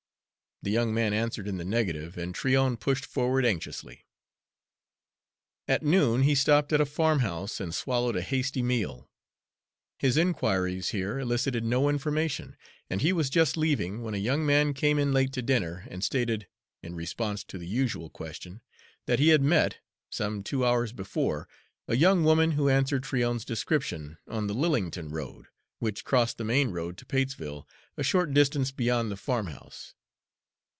The young man answered in the negative, and Tryon pushed forward anxiously. At noon he stopped at a farmhouse and swallowed a hasty meal. His inquiries here elicited no information, and he was just leaving when a young man came in late to dinner and stated, in response to the usual question, that he had met, some two hours before, a young woman who answered Tryon's description, on the Lillington road, which crossed the main road to Patesville a short distance beyond the farmhouse.